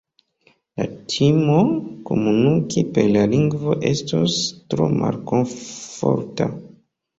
La timo komuniki per la lingvo estos tro malkomforta.